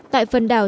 tại phần đảo